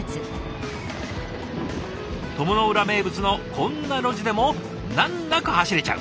鞆の浦名物のこんな路地でも難なく走れちゃう。